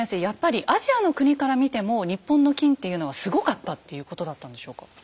やっぱりアジアの国から見ても日本の金っていうのはすごかったっていうことだったんでしょうか？